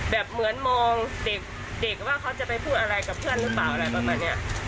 แบบเหมือนมองเด็กว่าเขาจะไปพูดอะไรกับเพื่อนหรือเปล่าอะไรประมาณนี้